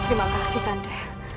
kanda jangan lupa untuk menyembuhkannya